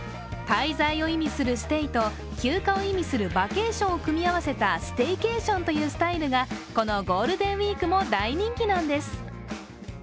滞在を意味するステイと休暇を意味するバケーションを組み合わせたステイケーションというスタイルがこのゴールデンウイークも大人気なんです。